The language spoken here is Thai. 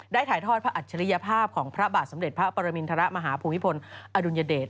ถ่ายทอดพระอัจฉริยภาพของพระบาทสมเด็จพระปรมินทรมาฮภูมิพลอดุลยเดช